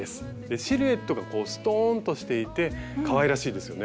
シルエットがこうストーンとしていてかわいらしいですよね。